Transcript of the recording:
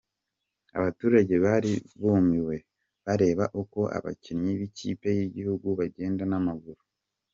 Abaturage bari bumiwe bareba uko abakinnyi b'ikipe y'igihugu bagenda n'amaguru.